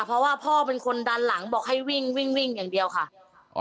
เพราะว่าพ่อเป็นคนดันหลังบอกให้วิ่งวิ่งวิ่งอย่างเดียวค่ะ